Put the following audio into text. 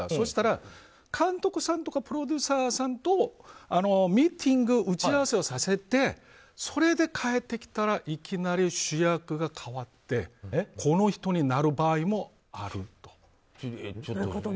すると、監督さんとかプロデューサーさんとミーティング、打ち合わせをさせて、それで帰ってきたらいきなり主役が変わってこの人になる場合もあると。